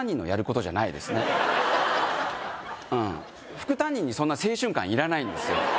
副担任にそんな青春感いらないんですよ